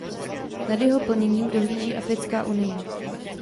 Nad jeho plněním dohlíží Africká unie.